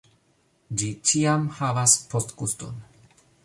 Ĝi ĉiam havas postguston